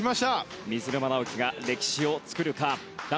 水沼尚輝が歴史を作るか。